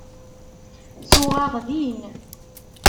Tuɣ-aɣ din.